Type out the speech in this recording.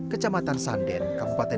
kecamatan sanden kepupaten negeri